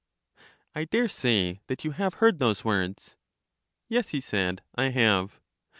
I dare say that you have heard those words. Yes, he said; I have.